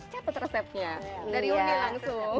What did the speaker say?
siapa resepnya dari umi langsung